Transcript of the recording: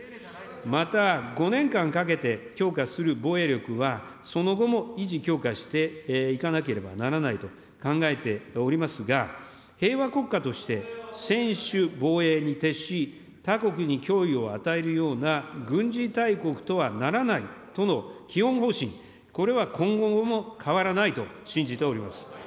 また、５年間かけて強化する防衛力は、その後も維持・強化していかなければならないと考えておりますが、平和国家として、専守防衛に徹し他国に脅威を与えるような軍事大国とはならないとの基本方針、これは今後も変わらないと信じております。